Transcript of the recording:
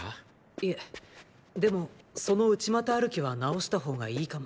いえでもその内股歩きは直した方がいいかも。